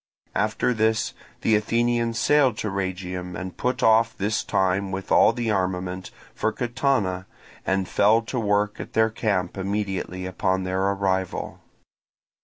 After this the Athenians sailed to Rhegium, and put off, this time with all the armament, for Catana, and fell to work at their camp immediately upon their arrival.